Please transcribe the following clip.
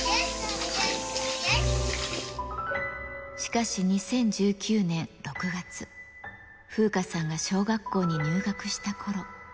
しかし２０１９年６月、風花さんが小学校に入学したころ。